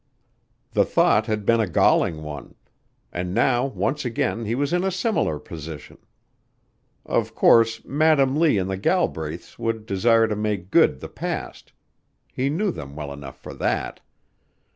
The thought had been a galling one. And now once again he was in a similar position. Of course, Madam Lee and the Galbraiths would desire to make good the past; he knew them well enough for that.